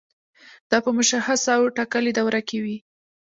دا په مشخصه او ټاکلې دوره کې وي.